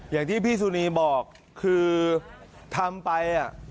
อย่างที่พี่สุนีบอกคือทำไป